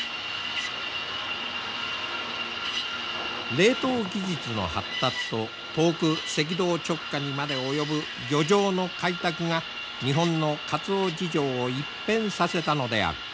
冷凍技術の発達と遠く赤道直下にまで及ぶ漁場の開拓が日本のカツオ事情を一変させたのである。